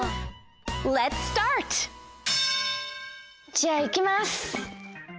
じゃあいきます。